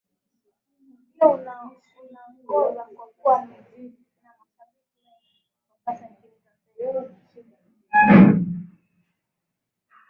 Ndiyo unaongoza kwa kuwa na mashabiki wengi kwa sasa nchini Tanzania